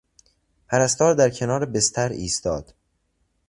پرستار در کنار بستر ایستاد.